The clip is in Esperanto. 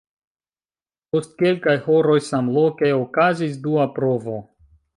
Post kelkaj horoj samloke okazis dua provo.